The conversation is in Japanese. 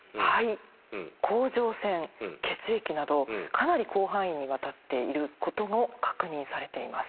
かなり広範囲にわたっていることも確認されています。